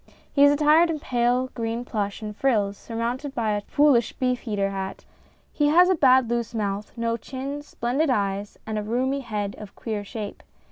He is attired in pale green plush and frills, surmounted by a foolish beej eater hat. He has a bad loose mouth, no chin, splendid eyes, and a roomy head of queer shape.